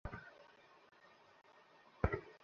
আমি নিশ্চিত রাতে তুই ঘুমাতে পারবি না।